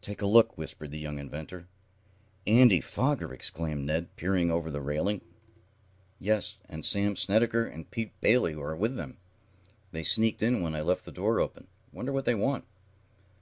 "Take a look," whispered the young inventor. "Andy Foger!" exclaimed Ned, peering over the railing. "Yes, and Sam Snedecker and Pete Bailey are with him. They sneaked in when I left the door open. Wonder what they want?"